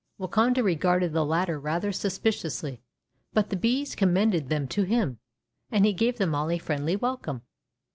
Wakonda regarded the latter rather suspiciously, but the bees commended them to him, and he gave them all a friendly welcome.